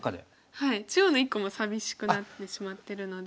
はい中央の１個も寂しくなってしまってるので。